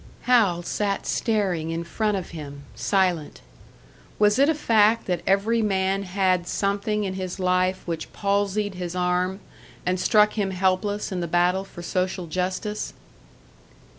Hal sat staring in front of him, silent. Was it a fact that every man had something in his life which palsied his arm, and struck him helpless in the battle for social justice?